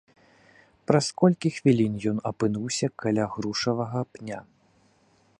Праз колькі хвілін ён апынуўся каля грушавага пня.